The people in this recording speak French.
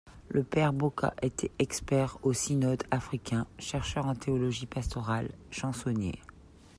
Le Père Boka était expert au Synode africain, chercheur en théologie pastorale, chansonnier.